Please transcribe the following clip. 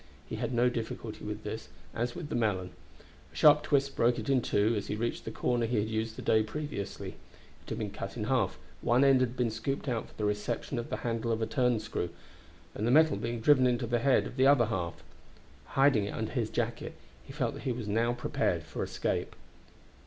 He had no difficulty with this, as with the melon; a sharp twist broke it in two as he reached the corner he had used the day previously. It had been cut in half, one end had been scooped out for the reception of the handle of the turn screw, and the metal been driven in to the head in the other half. Hiding it under his jacket, he felt that he was now prepared for escape.